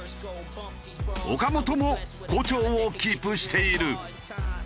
岡本も好調をキープしている。